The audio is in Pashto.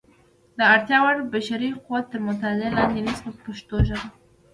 د اړتیا وړ بشري قوت تر مطالعې لاندې نیسي په پښتو ژبه.